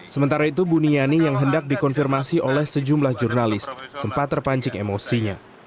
sementara itu buniani yang hendak dikonfirmasi oleh sejumlah jurnalis sempat terpancing emosinya